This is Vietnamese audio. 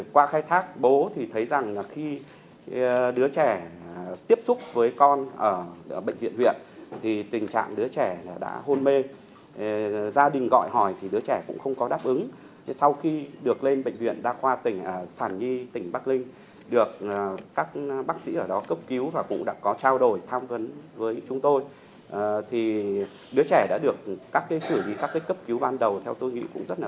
qua khai thác bố thì thấy rằng khi đứa trẻ tiếp xúc với con ở bệnh viện huyện